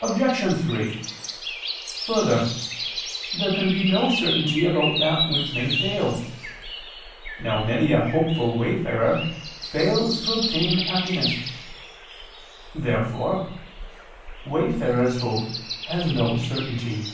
Obj. 3: Further, there can be no certainty about that which may fail. Now many a hopeful wayfarer fails to obtain happiness. Therefore wayfarer's hope has no certainty.